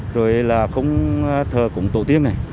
rồi là không thờ cúng tổ tiên